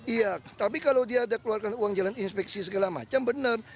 iya tapi kalau dia ada keluarkan uang jalan inspeksi segala macam benar